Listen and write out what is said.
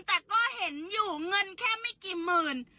แต่ก็เห็นอยู่เงินแค่ไม่กี่หมื่น